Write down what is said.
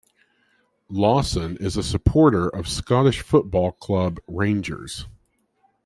Lawson is a supporter of Scottish football club Rangers.